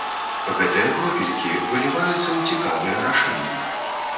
Гэтыя кропелькі выліваюцца ў цікавыя рашэнні.